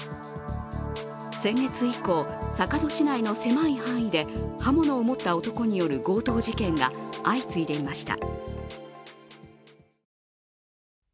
先月以降、坂戸市内の狭い範囲で刃物を持った男による強盗事件が相次いでいました。